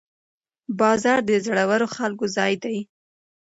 بازار د زړورو خلکو ځای دی.